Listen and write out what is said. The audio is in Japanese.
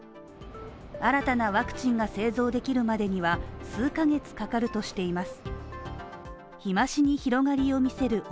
新たなワクチンが製造できるまでには数ヶ月かかるとしています。